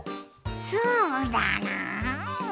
そうだな。